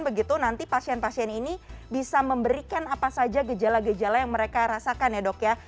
begitu nanti pasien pasien ini bisa memberikan apa saja gejala gejala yang mereka rasakan ya dok ya